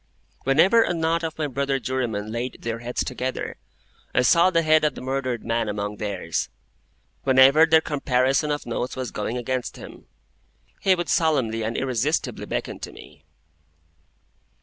Whenever a knot of my brother jurymen laid their heads together, I saw the head of the murdered man among theirs. Whenever their comparison of notes was going against him, he would solemnly and irresistibly beckon to me.